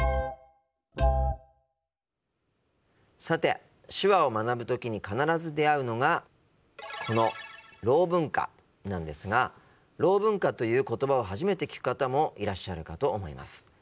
さて手話を学ぶ時に必ず出会うのがこのろう文化なんですがろう文化という言葉を初めて聞く方もいらっしゃるかと思います。